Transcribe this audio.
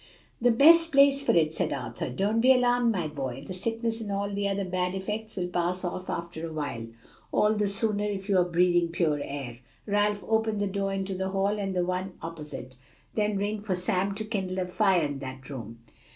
"The best place for it," said Arthur. "Don't be alarmed, my boy, the sickness and all the other bad effects will pass off after a while; all the sooner if you are breathing pure air. Ralph, open the door into the hall and the one opposite. Then ring for Sam to kindle a fire in that room."